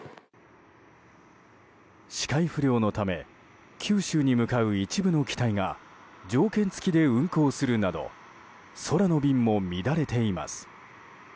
視界不良のため九州に向かう一部の機体が条件付きで運航するなど空の便も乱れています。